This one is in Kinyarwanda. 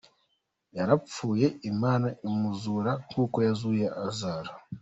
Yarapfuye Imana imuzura nk’uko yazuye Lazaro.